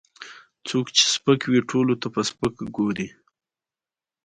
هغه له باد او لمر سره خبرې کوي.